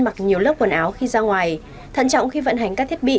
mặc nhiều lớp quần áo khi ra ngoài thận trọng khi vận hành các thiết bị